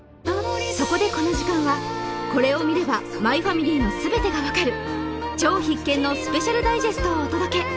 そこでこの時間はこれを見れば「マイファミリー」の全てがわかる超必見のスペシャルダイジェストをお届け！